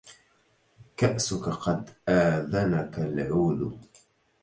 كأسك قد آذنك العود